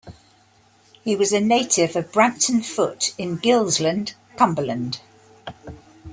He was a native of Brampton Foot, in Gilsland, Cumberland.